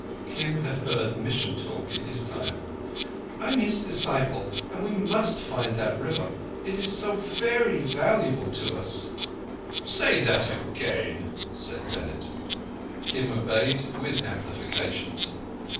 (Kim had heard mission talk in his time.) "I am his disciple, and we must find that River. It is so verree valuable to us." "Say that again," said Bennett. Kim obeyed, with amplifications.